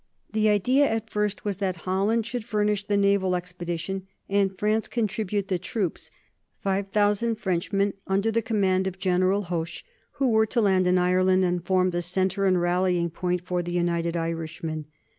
The idea at first was that Holland should furnish the naval expedition and France contribute the troops 5000 Frenchmen, under the command of General Hoche, who were to land in Ireland and form the centre and rallying point for the United Irishmen.